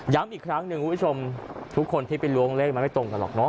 อีกครั้งหนึ่งคุณผู้ชมทุกคนที่ไปล้วงเลขมันไม่ตรงกันหรอกเนอ